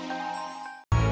jalur geloran aja lo